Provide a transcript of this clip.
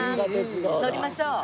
乗りましょう。